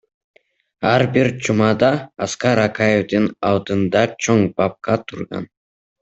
Ар бир жумада Аскар Акаевдин алдында чоң папка турган.